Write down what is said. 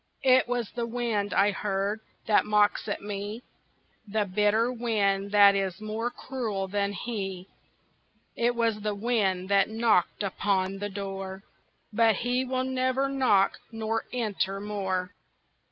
It was the wind I heard, that mocks at me, The bitter wind that is more cruel than he; It was the wind that knocked upon the door, But he will never knock nor enter more.